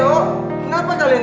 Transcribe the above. berterima kasih sama mulan